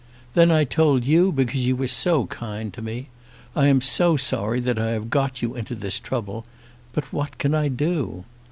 Then I told you, because you were so kind to me! I am so sorry that I have got you into this trouble; but what can I do?